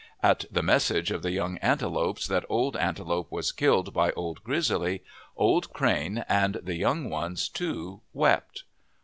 At the message of the young antelopes that Old Ante lope was killed by Old Grizzly, Old Crane and the young ones, too, wept.